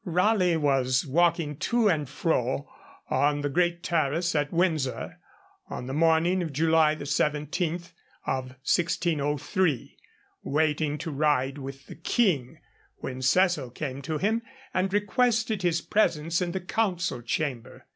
Raleigh was walking to and fro on the great terrace at Windsor on the morning of July 17, 1603, waiting to ride with the King, when Cecil came to him and requested his presence in the Council Chamber.